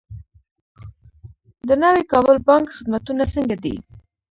د نوي کابل بانک خدمتونه څنګه دي؟